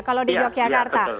kalau di yogyakarta